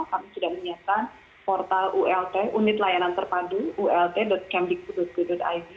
kami sudah menyatakan portal unit layanan terpadu ult kemdiku go id